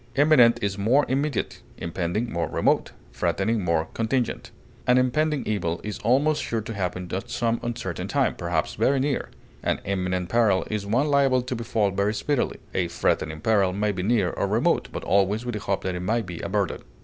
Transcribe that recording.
Imminent is more immediate, impending more remote, threatening more contingent. An impending evil is almost sure to happen at some uncertain time, perhaps very near; an imminent peril is one liable to befall very speedily; a threatening peril may be near or remote, but always with hope that it may be averted.